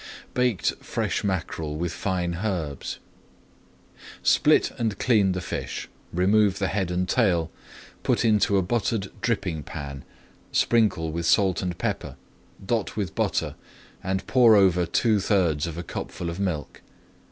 BAKED FRESH MACKEREL WITH FINE HERBS Split and clean the fish, remove the head and tail, put into a buttered dripping pan, sprinkle with salt and pepper, dot with butter, and pour over two thirds of a cupful of milk.